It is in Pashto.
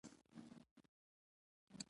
سهار د سحرګاه غږ دی.